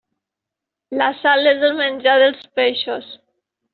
La sal és el menjar dels peixos.